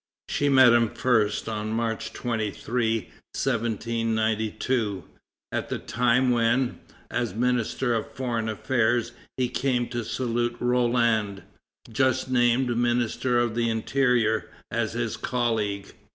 She met him first on March 23, 1792, at the time when, as Minister of Foreign Affairs, he came to salute Roland, just named Minister of the Interior, as his colleague.